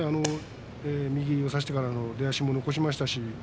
右を差してからの出足も残せましたし